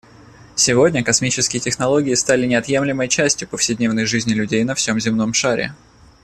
Сегодня космические технологии стали неотъемлемой частью повседневной жизни людей на всем земном шаре.